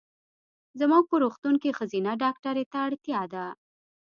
زمونږ په روغتون کې ښځېنه ډاکټري ته اړتیا ده.